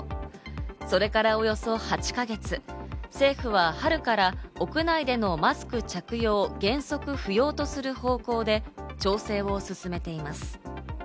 それからおよそ８か月、政府は春から屋内でのマスク着用を原則不要とする方向で調整を進めています。